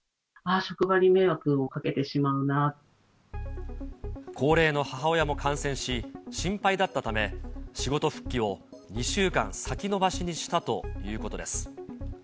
ああ、高齢の母親も感染し、心配だったため、仕事復帰を２週間先延ばしにしたということです。